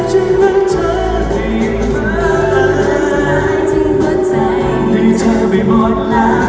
ฉันรักเธอให้ยังไม่ให้เธอไม่หมดหลัก